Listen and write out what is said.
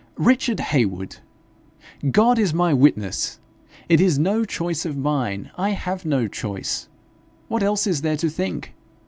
'Richard Heywood, God is my witness it is no choice of mine. I have no choice: what else is there to think?